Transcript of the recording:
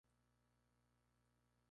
República Romana